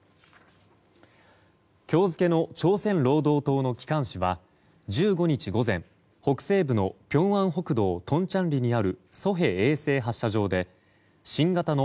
今日付の朝鮮労働党の機関紙は１５日午前、北西部のピョンアン北道トンチャンリにあるソヘ衛星発射場で新型の